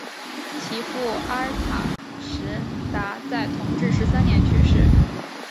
其父阿尔塔什达在同治十三年去世。